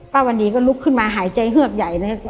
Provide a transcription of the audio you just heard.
วันดีก็ลุกขึ้นมาหายใจเฮือบใหญ่เลย